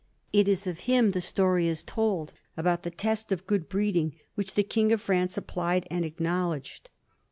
It is of him the story is told about the test of good breeding which the King of France applied and acknowledged.